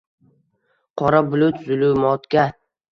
Qora bulut zulumotga